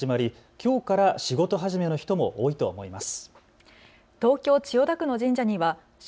きょうから仕事始めの人も多いと思います。